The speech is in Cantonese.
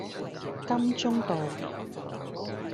金鐘道